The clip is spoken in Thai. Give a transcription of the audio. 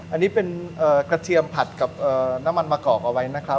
อันนี้เป็นกระเทียมผัดกับน้ำมันมะกอกเอาไว้นะครับ